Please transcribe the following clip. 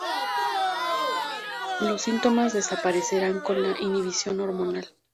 Los síntomas desaparecerán, con la inhibición hormonal.